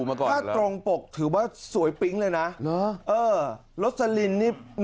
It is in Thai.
อาทิตย์๒๓อาทิตย์